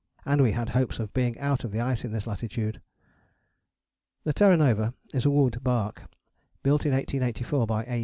And we had hopes of being out of the ice in this latitude! The Terra Nova is a wood barque, built in 1884 by A.